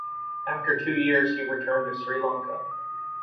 After two years he returned to Sri Lanka.